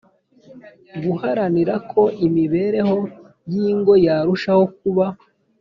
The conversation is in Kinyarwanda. Guharanira ko imibereyo y ingo yarushaho kuba